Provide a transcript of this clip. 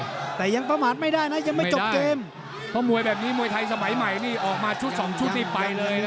แต่ยังประมาทไม่ได้นะยังไม่จบเกมเพราะมวยแบบนี้มวยไทยสมัยใหม่นี่ออกมาชุดสองชุดนี่ไปเลยนะ